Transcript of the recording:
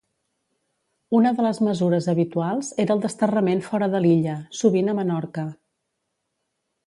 Una de les mesures habituals era el desterrament fora de l'illa, sovint a Menorca.